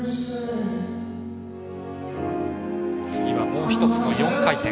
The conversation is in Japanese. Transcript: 次はもう一つの４回転。